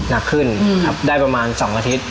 หนักขึ้นครับได้ประมาณ๒อาทิตย์